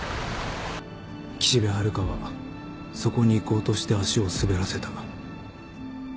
岸辺春香はそこに行こうとして足を滑らせた。